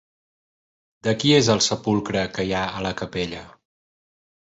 De qui és el sepulcre que hi ha a la capella?